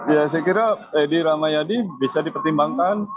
ya saya kira edi ramayadi bisa dipertimbangkan